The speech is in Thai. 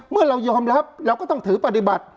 เมื่อเรายอมรับเราก็ต้องถือปฏิบัติ